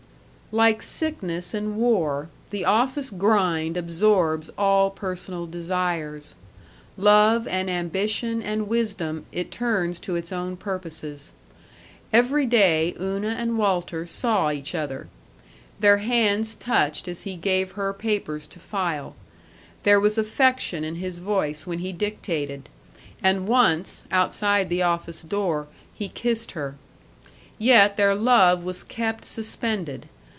§ 3 Like sickness and war, the office grind absorbs all personal desires. Love and ambition and wisdom it turns to its own purposes. Every day Una and Walter saw each other. Their hands touched as he gave her papers to file; there was affection in his voice when he dictated, and once, outside the office door, he kissed her. Yet their love was kept suspended.